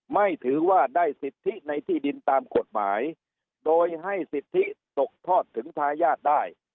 ไม่ถือว่าได้สิทธิในที่ดินตามกฎหมายโดยให้สิทธิตกทอดถึงทายาทได้